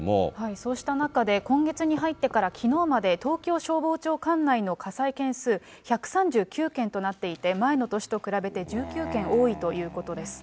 そうした中で、今月に入ってからきのうまで、東京消防庁管内の火災件数、１３９件となっていて、前の年と比べて１９件多いということです。